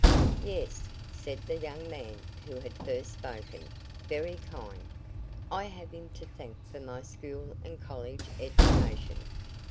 "Yes," said the young man who had first spoken; "very kind. I have him to thank for my school and college education."